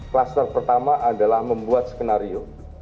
kluster pertama adalah membuat skenario